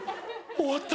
終わった！